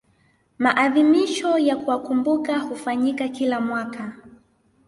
maadhimisho ya kuwakumbuka hufanyika kila mwaka